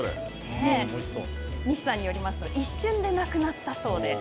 西さんによりますと、一瞬でなくなったそうです。